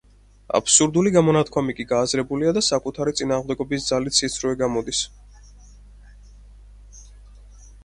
აბსურდული გამონათქვამი კი გააზრებულია და საკუთარი წინააღმდეგობის ძალით სიცრუე გამოდის.